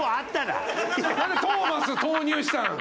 なんでトーマス投入したん？